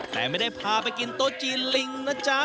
แต่ไม่ได้พาไปกินโต๊ะจีนลิงนะจ๊ะ